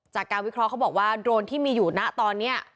วิเคราะห์เขาบอกว่าโดรนที่มีอยู่นะตอนนี้